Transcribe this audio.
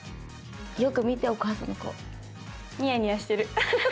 よく見てお母さんの顔。ニヤニヤしてる。